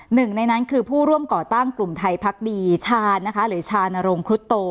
หนึ่งในนั้นคือผู้ร่วมก่อตั้งกลุ่มไทยพักดีชาญนะคะหรือชานรงครุฑโต